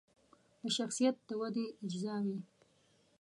د شخصیت د ودې اجزاوې